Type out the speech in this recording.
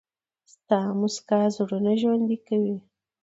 • ستا موسکا زړونه ژوندي کوي.